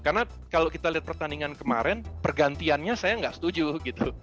karena kalau kita lihat pertandingan kemarin pergantiannya saya tidak setuju gitu